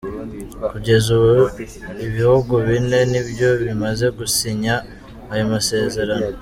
Kugeza ubu ibihugu bine nibyo bimaze gusinya ayo masezerano.